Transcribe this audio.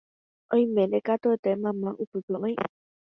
oiméne katuete mamá upépe oĩ